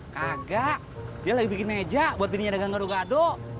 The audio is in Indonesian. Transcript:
kagak dia lagi bikin meja buat pilihnya dagang gado gado